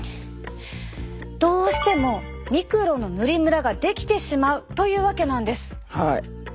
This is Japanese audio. どうしてもミクロの塗りムラができてしまうというわけなんです。